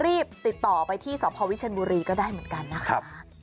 รีบติดต่อไปที่สพวิเชียนบุรีก็ได้เหมือนกันนะคะ